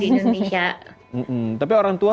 indonesia tapi orang tua